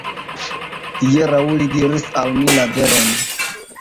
Hieraŭ li diris al mi la veron.